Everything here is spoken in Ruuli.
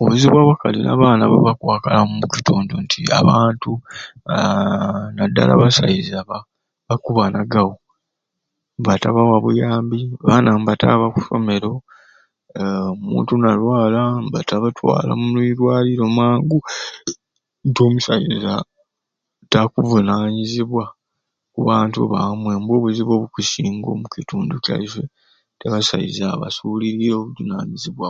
Obuzibu abakali n'abaana bwebakwakalamu omu kitundu nti abantu aaa naddala abasaiza bakubbakubanagawo nibatabawa buyambi, abaana nibataaba mu masomero aa omuntu nalwala nibatabatwala omwirwaliro mangu nti omusaiza takuvunanyizibwa ku bantu bamwe nibwo buzibu obukusinga omu kintundu kyaiswe nti abasai basuuliriire obuvunanyizibwa